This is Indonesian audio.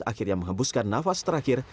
akhirnya mengembuskan nafas terakhir